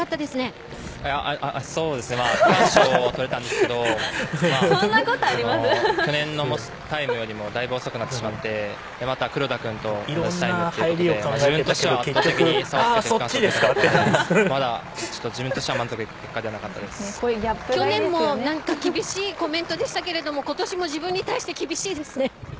区間賞はとれたんですが去年のタイムよりもだいぶ遅くなってしまってまた黒田君と同じタイムということで自分としては圧倒的に差をつけて区間賞をとりたかったのでまだ自分としては去年も厳しいコメントでしたけど今年も自分に対して厳しいですね。